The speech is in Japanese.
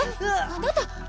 あなた！